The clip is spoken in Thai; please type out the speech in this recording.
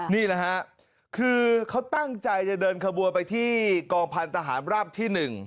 นี่แหละฮะคือเขาตั้งใจจะเดินขบวนไปที่กองพันธหารราบที่๑